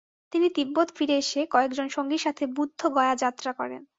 তিনি তিব্বত ফিরে এসে কয়েকজন সঙ্গীর সাথে বুদ্ধ গয়া যাত্রা করেন।